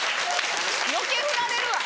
余計フラれるわ！